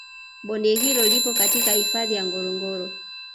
Bonde hilo lipo katika hifadhi ya ngorongoro